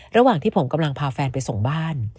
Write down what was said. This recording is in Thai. ระหว่างที่ผมกำลังพาแฟนไปส่งบ้าน